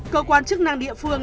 cơ quan chức năng địa phương